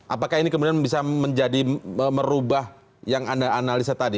apakah ini kemudian bisa menjadi merubah yang anda analisa tadi